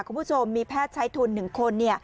คุณผู้ชมมีแพทย์ใช้ทุน๑คน